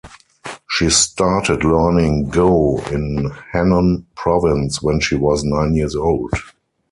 She started learning Go in Henan province when she was nine years old.